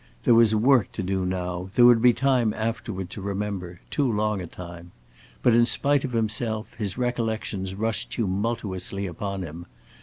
There was work to do now; there would be time afterward to remember too long a time. But in spite of himself his recollections rushed tumultuously upon him.